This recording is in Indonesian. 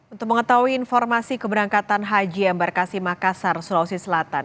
untuk mengetahui informasi keberangkatan haji embarkasi makassar sulawesi selatan